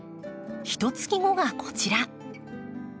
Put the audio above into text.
ひと月後がこちら。